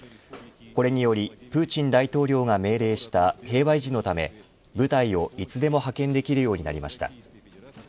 これによりプーチン大統領が命令した平和維持のため部隊をいつでも派遣できるようになりました。